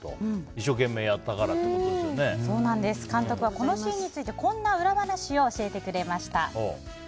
一生懸命やったから監督はこのシーンについてこんな裏話を教えてくれました。